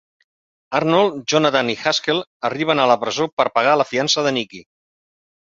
Arnold, Jonathan i Haskell arriben a la presó per pagar la fiança de Nicki.